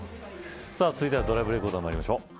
続いてはドライブレコーダーまいりましょう。